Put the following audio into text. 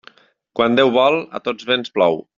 Quan Déu vol, a tots vents plou.